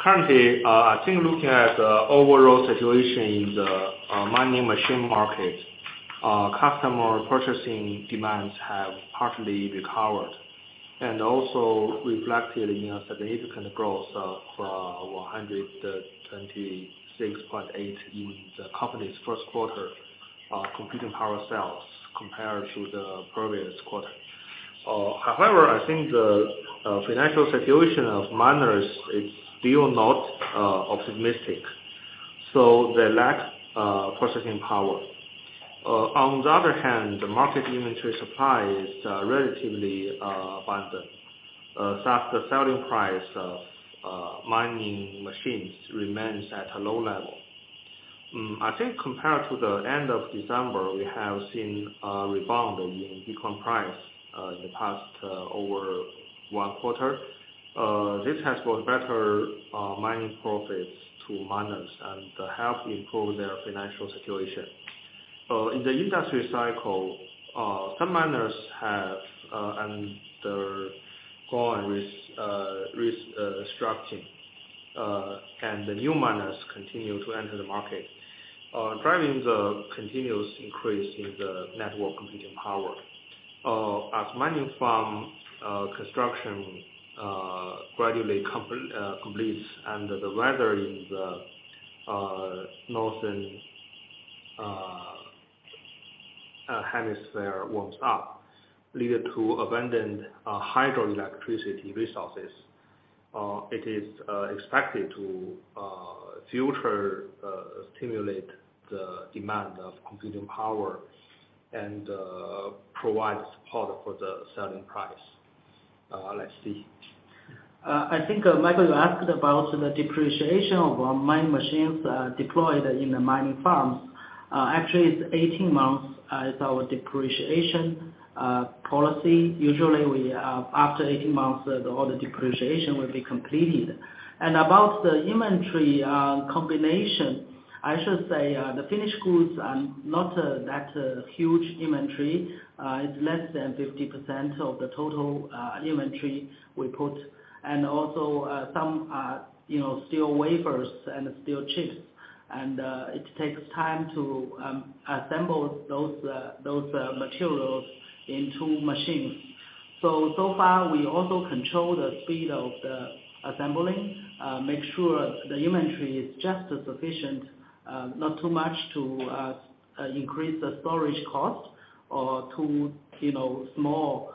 Currently, I think looking at the overall situation in the mining machine market, customer purchasing demands have partially recovered, and also reflected in a significant growth of, from $126.8 in the company's first quarter, computing power sales, compared to the previous quarter. I think the financial situation of miners is still not optimistic, so they lack purchasing power. On the other hand, the market inventory supply is relatively abundant. Thus, the selling price of mining machines remains at a low level. I think compared to the end of December; we have seen a rebound in Bitcoin price in the past over one quarter. This has brought better mining profits to miners and helped improve their financial situation. In the industry cycle, some miners have undergone restructuring. The new miners continue to enter the market. Driving the continuous increase in the network computing power. As mining farm construction gradually completes and the weather in the northern hemisphere warms up, leading to abundant hydroelectricity resources, it is expected to further stimulate the demand of computing power and provide support for the selling price. Let's see. I think, Mike, you asked about the depreciation of our mining machines deployed in the mining farms. Actually, it's 18 months is our depreciation policy. Usually, we, after 18 months, all the depreciation will be completed. And about the inventory combination, I should say, the finished goods are not that huge inventory. It's less than 50% of the total inventory we put. And also, some, you know, still wafers and still chips. And it takes time to assemble those materials into machines. So far, we also control the speed of the assembling, make sure the inventory is just sufficient, not too much to increase the storage cost or too, you know, small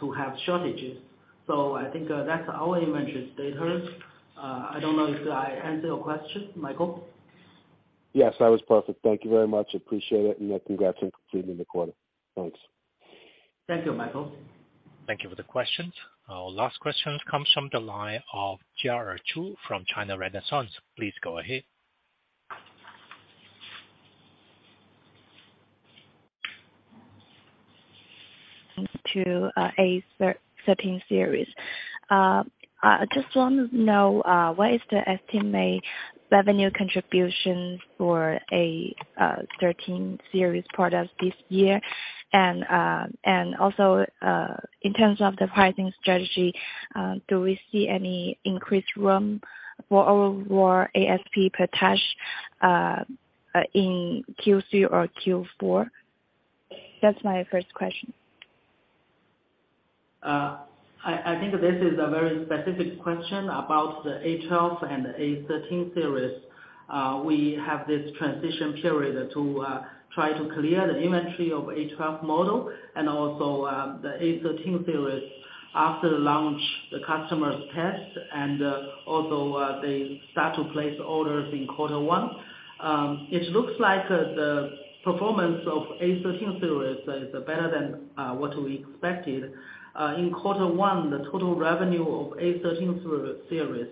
to have shortages. So, I think that's our inventory status. I don't know if I answered your question, Michael? Yes, that was perfect. Thank you very much. Appreciate it. Congrats on completing the quarter. Thanks. Thank you, Michael. Thank you for the questions. Our last question comes from the line of Jiaer Zhu from China Renaissance. Please go ahead. Thanks to A13 series. I just want to know what is the estimated revenue contribution for A13 series products this year? Also, in terms of the pricing strategy, do we see any increased room for overall ASP per touch in Q3 or Q4? That's my first question. I think this is a very specific question about the A12 and A13 series. We have this transition period to try to clear the inventory of A12 model and also the A13 series. After the launch, the customers test and also, they start to place orders in quarter one. It looks like the performance of A13 series is better than what we expected. In quarter one, the total revenue of A13 series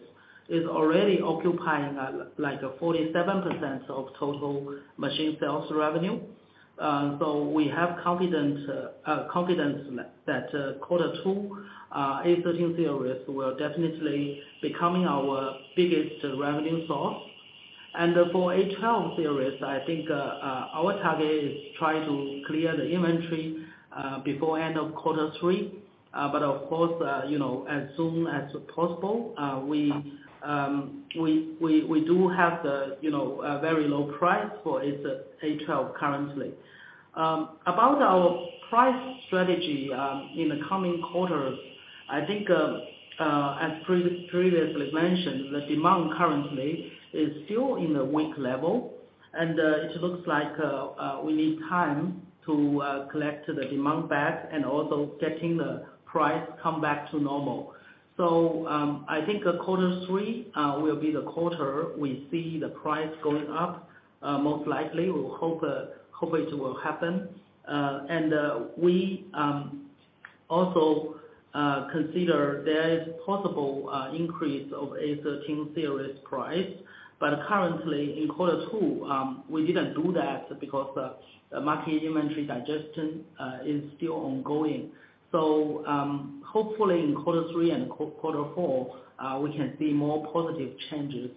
is already occupying like a 47% of total machine sales revenue. We have confidence that quarter two A13 series will definitely becoming our biggest revenue source. For A12 series, I think our target is try to clear the inventory before end of quarter three. Of course, you know, as soon as possible, we do have the, you know, a very low price for A12 currently. About our price strategy, in the coming quarters, I think, as previously mentioned, the demand currently is still in a weak level, and it looks like we need time to collect the demand back and also getting the price come back to normal. I think at quarter three will be the quarter we see the price going up. Most likely, we hope it will happen. We also consider there is possible increase of A13 series price, but currently in quarter two, we didn't do that because the market inventory digestion is still ongoing. Hopefully in quarter three and quarter four, we can see more positive changes.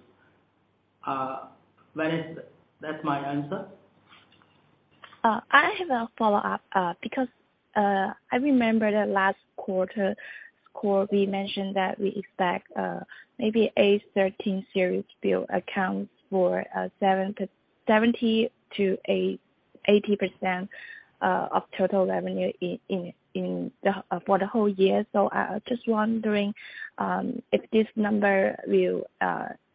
Jiaer Zhu, that's my answer. I have a follow-up, because I remember that last quarter call, we mentioned that we expect, maybe A13 series to account for, 70%-80% of total revenue in the, for the whole year. I was just wondering, if this number will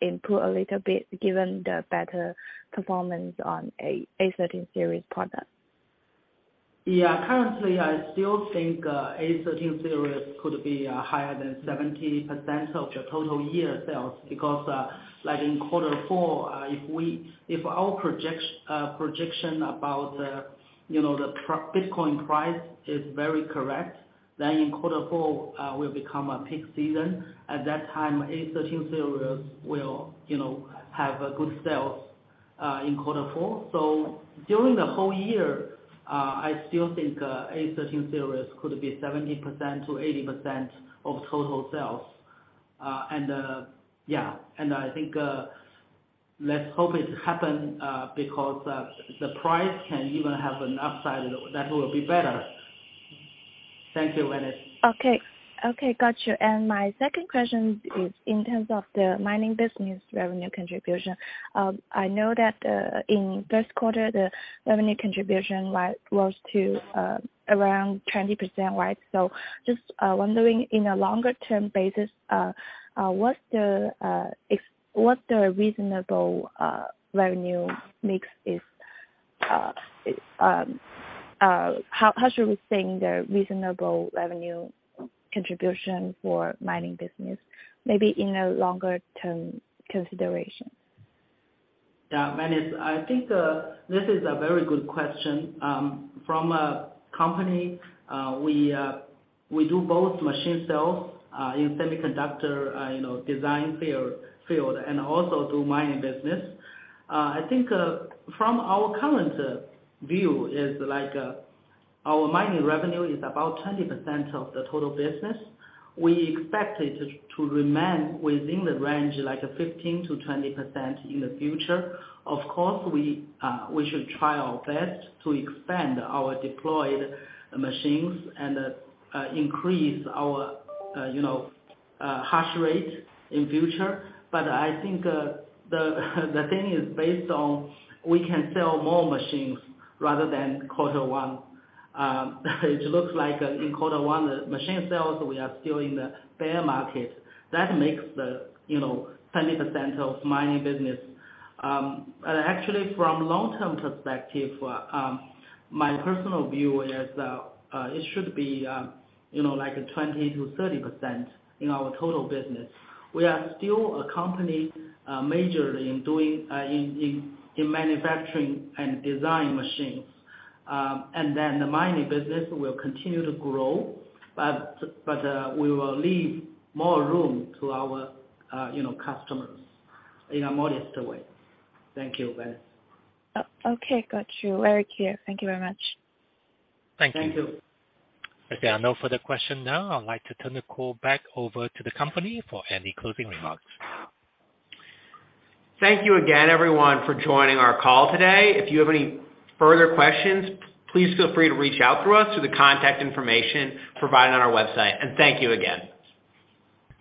improve a little bit given the better performance on A13 series product? Yeah. Currently, I still think A13 series could be higher than 70% of the total year sales. Like in quarter four, if our project, projection about the, you know, the Bitcoin price is very correct, then in quarter four will become a peak season. At that time, A13 series will, you know, have a good sales in quarter four. During the whole year, I still think A13 series could be 70%-80% of total sales. Yeah, I think, let's hope it happen, because the price can even have an upside. That will be better. Thank you, Jiaer Zhu. Okay. Okay, got you. My second question is in terms of the mining business revenue contribution. I know that in first quarter, the revenue contribution, like, was to around 20%, right? Just wondering in a longer term basis, what's the reasonable revenue mix is, how should we think the reasonable revenue contribution for mining business? Maybe in a longer term consideration. Yeah, Jiaer, I think this is a very good question. From a company, we do both machine sales in semiconductor, you know, design field, and also do mining business. I think, from our current view is like, our mining revenue is about 20% of the total business. We expect it to remain within the range, like 15%-20% in the future. Of course, we should try our best to expand our deployed machines and increase our, you know, hash rate in future. I think the thing is based on we can sell more machines rather than quarter one. It looks like in quarter one, the machine sales, we are still in the bear market. That makes the, you know, 20% of mining business. Actually, from long-term perspective, my personal view is, it should be, you know, like a 20%-30% in our total business. We are still a company, majorly in doing, in manufacturing and design machines. Then the mining business will continue to grow, but, we will leave more room to our, you know, customers in a modest way. Thank you, Jiaer Zhu. Okay, got you. Very clear. Thank you very much. Thank you. Thank you. Okay, no further question now. I'd like to turn the call back over to the company for any closing remarks. Thank you again, everyone, for joining our call today. If you have any further questions, please feel free to reach out to us through the contact information provided on our website. Thank you again.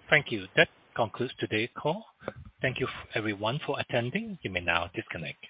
Thank you. That concludes today's call. Thank you everyone for attending. You may now disconnect.